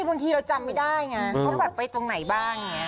บางทีเราจำไม่ได้ไงว่าไปตรงไหนบ้าง